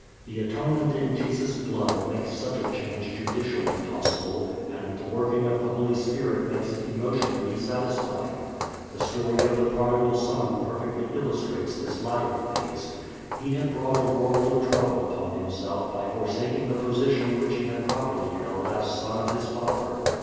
The atonement in Jesus' blood makes such a change judicially possible and the working of the Holy Spirit makes it emotionally satisfying. The story of the prodigal son perfectly illustrates this latter phase. He had brought a world of trouble upon himself by forsaking the position which he had properly held as son of his father.